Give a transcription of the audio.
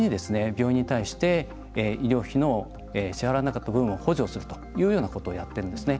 病院に対して医療費の支払えなかった分を補助をするというようなことをやっているんですね。